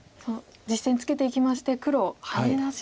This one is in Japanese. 実戦ツケていきまして黒ハネ出しですね。